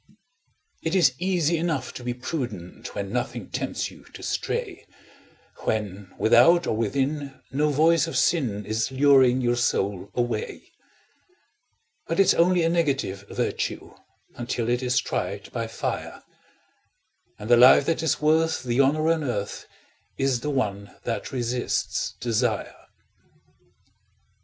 It is easy enough to be prudent When nothing tempts you to stray, When without or within no voice of sin Is luring your soul away; But it's only a negative virtue Until it is tried by fire, And the life that is worth the honour on earth Is the one that resists desire.